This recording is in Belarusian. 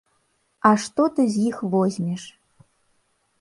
А што ты з іх возьмеш?